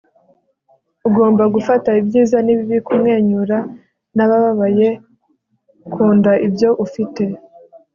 ugomba gufata ibyiza n'ibibi, kumwenyura n'abababaye, kunda ibyo ufite